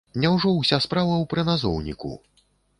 Няўжо ўся справа ў прыназоўніку?